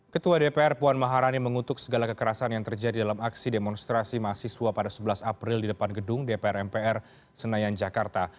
ketua dpr puan maharani mengutuk segala kekerasan yang terjadi dalam aksi demonstrasi mahasiswa pada sebelas april di depan gedung dpr mpr senayan jakarta